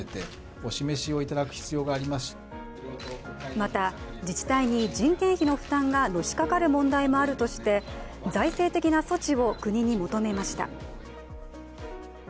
また自治体に人件費の負担がのしかかる問題もあるとして財政的な措置を国に求めました。